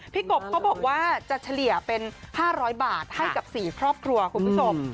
กบเขาบอกว่าจะเฉลี่ยเป็น๕๐๐บาทให้กับ๔ครอบครัวคุณผู้ชม